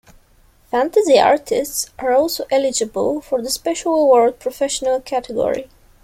Fantasy artists are also eligible for the Special Award-Professional category.